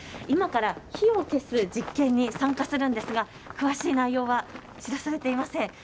今から火を消す実験に参加するんですが詳しい内容は知らされていません。